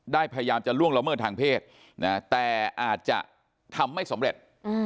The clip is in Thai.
พยายามจะล่วงละเมิดทางเพศแต่อาจจะทำไม่สำเร็จ